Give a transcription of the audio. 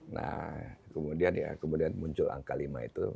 nah kemudian ya kemudian muncul angka lima itu